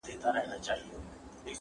تله جومات ته بله ډله د زلميانو -